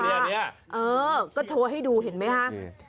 เออก็โชว์ให้ดูเห็นไหมค่ะ